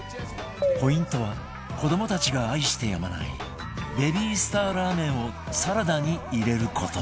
ポイントは子どもたちが愛してやまないベビースターラーメンをサラダに入れる事